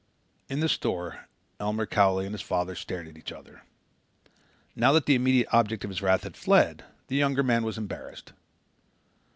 In the store Elmer Cowley and his father stared at each other. Now that the immediate object of his wrath had fled, the younger man was embarrassed.